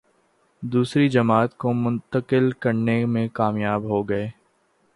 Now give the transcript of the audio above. دوسری جماعت کو منتقل کرنے میں کامیاب ہو گئے۔